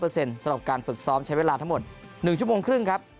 สำหรับการฝึกซ้อมใช้เวลาทั้งหมด๑ชั่วโมงครึ่งครับ